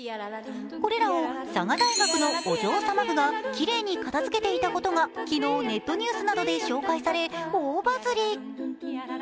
これらを佐賀大学のお嬢様部がきれいに片づけていたことが昨日、ネットニュースなどで紹介され、大バズり。